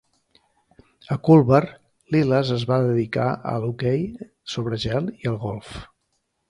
A Culver, Liles es va dedicar a l'hoquei sobre gel i al golf.